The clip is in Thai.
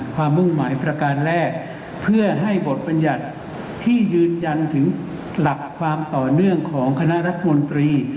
มุ่งหมายประการแรกเพื่อให้บทบรรยัติที่ยืนยันถึงหลักความต่อเนื่องของคณะรัฐมนตรี